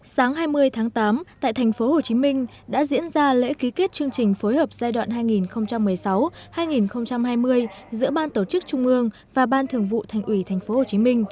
sáng hai mươi tháng tám tại tp hcm đã diễn ra lễ ký kết chương trình phối hợp giai đoạn hai nghìn một mươi sáu hai nghìn hai mươi giữa ban tổ chức trung ương và ban thường vụ thành ủy tp hcm